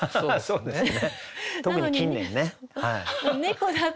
そうですね。